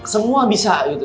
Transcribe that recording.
semua bisa gitu